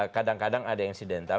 kadang kadang ada yang sidental